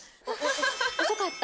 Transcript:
遅かった。